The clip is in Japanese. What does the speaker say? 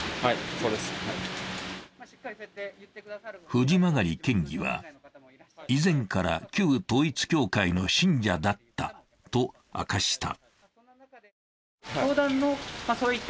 藤曲県議は、以前から旧統一教会の信者だったと明かした。